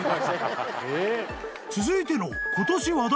［続いての］